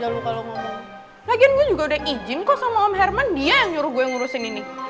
lagian gua juga udah izin kok sama om herman dia yang nyuruh gue ngurusin ini